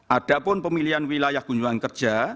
adapun pemilihan wilayah kunjungan kerja